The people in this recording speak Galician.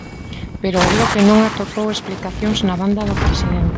Pero o Bloque non atopou explicacións na banda do presidente.